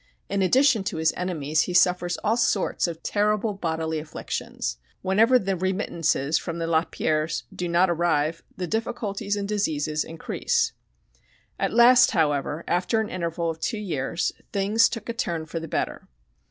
In addition to his enemies he suffers all sorts of terrible bodily afflictions. Whenever the remittances from the Lapierres do not arrive the difficulties and diseases increase. At last, however, after an interval of two years, things took a turn for the better.